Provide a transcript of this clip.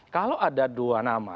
kalau ada dua nama